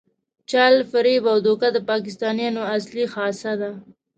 چل، فریب او دوکه د پاکستانیانو اصلي خاصه ده.